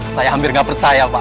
saya hampir nggak percaya pak